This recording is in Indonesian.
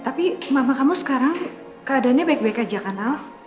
tapi mama kamu sekarang keadaannya baik baik aja kanal